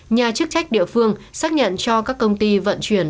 nhà chức trách địa phương xác nhận cho các công ty vận chuyển